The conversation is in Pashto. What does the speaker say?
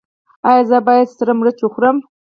ایا زه باید سره مرچ وخورم؟